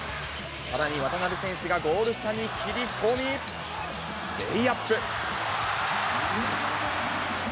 さらに渡邊選手がゴール下に切り込み、レイアップ。